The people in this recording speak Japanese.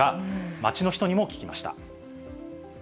街の人にも聞きました。